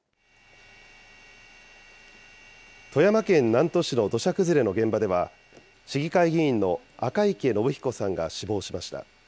富山県南砺市の土砂崩れの現場では、市議会議員の赤池伸彦さんが死亡しました。